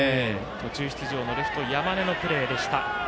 途中出場レフト、山根のプレー。